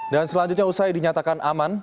dan selanjutnya usai dinyatakan aman